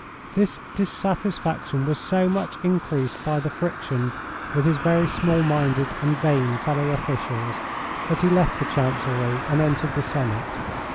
This dissatisfaction was so much increased by the friction with his very small minded and vain fellow officials that he left the Chancellerie and entered the Senate.